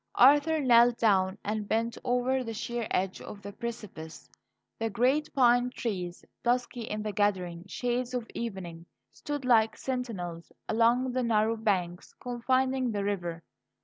Arthur knelt down and bent over the sheer edge of the precipice. The great pine trees, dusky in the gathering shades of evening, stood like sentinels along the narrow banks confining the river.